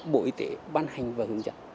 bộ y tế ban hành và hướng dẫn